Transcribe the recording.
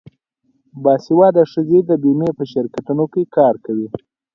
باسواده ښځې د بیمې په شرکتونو کې کار کوي.